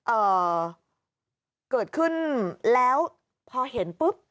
เอ่อเกิดขึ้นแล้วพอเห็นปุ๊บ